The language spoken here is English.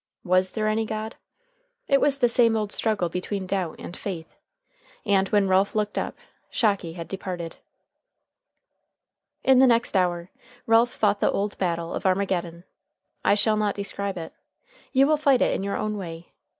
Was there any God? It was the same old struggle between Doubt and Faith. And when Ralph looked up, Shocky had departed. In the next hour Ralph fought the old battle of Armageddon. I shall not describe it. You will fight it in your own way.